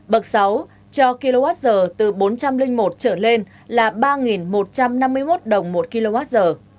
bậc sáu cho kwh từ bốn trăm linh một trở lên là ba một trăm năm mươi một đồng một kwh